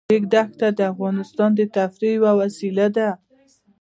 د ریګ دښتې د افغانانو د تفریح یوه وسیله ده.